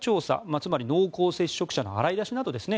つまり濃厚接触者の洗い出しなどですね。